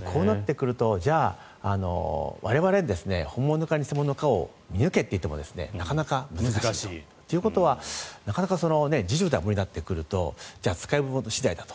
こうなってくるとじゃあ、我々、本物か偽物かを見抜けと言ってもなかなか難しいということはなかなか、無理だとなると使い方次第だと。